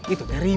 itu dari ma